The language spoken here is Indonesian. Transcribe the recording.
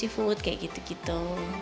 food kayak gitu gitu